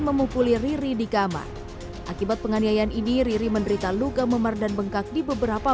memupuli riri di kamar akibat penganiayaan ini riri menderita luka memar dan bengkak di beberapa